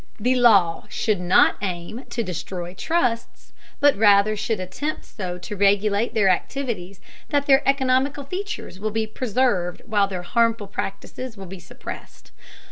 The law should not aim to destroy trusts, but rather should attempt so to regulate their activities that their economical features will be preserved while their harmful practices will be suppressed.